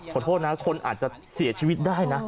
ขอโทษนะคนอาจจะเสียชีวิตได้นะ